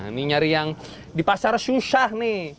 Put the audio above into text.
ini nyari yang di pasar susah nih